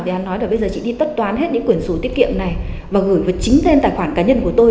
vì anh nói là bây giờ chị đi tất toán hết những quyển sủ tiết kiệm này và gửi vào chính tài khoản cá nhân của tôi